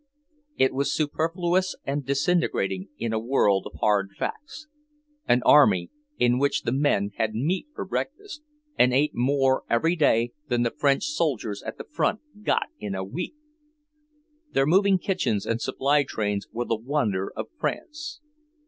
It was superfluous and disintegrating in a world of hard facts. An army in which the men had meat for breakfast, and ate more every day than the French soldiers at the front got in a week! Their moving kitchens and supply trains were the wonder of France.